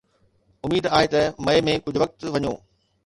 اميد آهي ته مئي ۾ ڪجهه وقت وڃو.